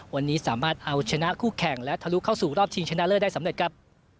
วันนี้สามารถเอาชนะคู่แข่งและทะลุเข้าสู่รอบชิงชนะเลิศได้สำเร็จครับ